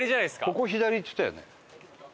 ここ左って言ったよね。